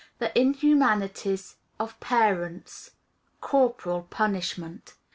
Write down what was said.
The Inhumanities of Parents Corporal Punishment.